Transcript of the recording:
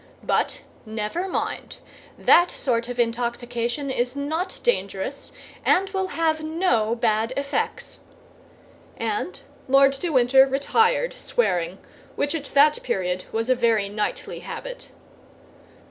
But never mind; that sort of intoxication is not dangerous, and will have no bad effects." And Lord de Winter retired swearing, which at that period was a very knightly habit.